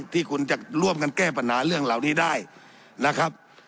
ที่คุณจะร่วมกันแก้ปัญหาเรื่องเหล่านี้ได้นะครับ